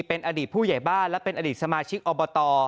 เป็นอดีตผู้ใหญ่บ้านและเป็นอดีตสมาชิกอบต